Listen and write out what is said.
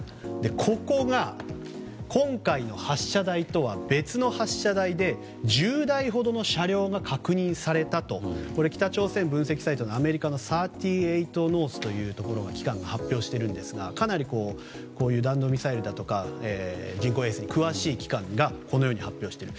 ここが、今回の発射台とは別の発射台で１０台ほどの車両が確認されたとこれ、北朝鮮分析サイトのアメリカの３８ノースというところこの機関が発表しているんですがかなり弾道ミサイルだとか人工衛星に詳しい機関がこのように発表している。